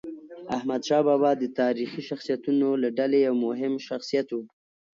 احمدشاه بابا د تاریخي شخصیتونو له ډلې یو مهم شخصیت و.